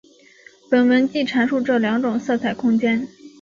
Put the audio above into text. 本文即阐述这两种色彩空间。